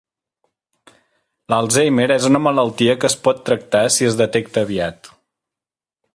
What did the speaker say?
L'Alzheimer és una malaltia que es pot tractar si es detecta aviat.